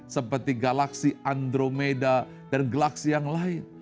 seperti galaksi andromeda dan galaksi yang lain